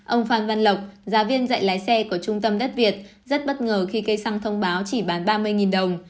ông phan văn lộc giáo viên dạy lái xe của trung tâm đất việt rất bất ngờ khi cây xăng thông báo chỉ bán ba mươi đồng